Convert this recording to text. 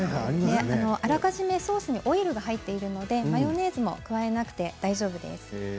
あらかじめソースにオイルが入っているのでマヨネーズも加えなくて大丈夫です。